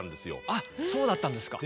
あそうだったんですか。